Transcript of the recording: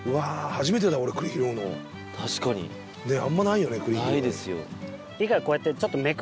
初めてだ俺栗拾うの確かにあんまないよね栗拾いないですよ